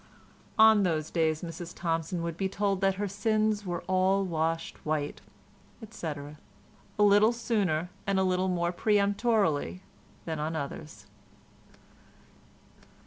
On those days Mrs Thompson would be told that her sins were all washed white, etc., a little sooner and a little more peremptorily than on others.